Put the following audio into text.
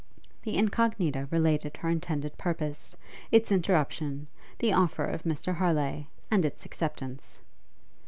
The Incognita related her intended purpose; its interruption; the offer of Mr Harleigh; and its acceptance.